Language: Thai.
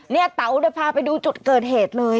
เต๋าเนี่ยพาไปดูจุดเกิดเหตุเลย